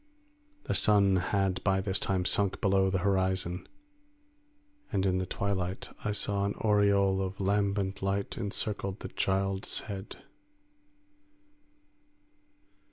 The sun had by this time sunk below the horizon, and in the twilight I saw an aureole of lambent light encircled the child's head.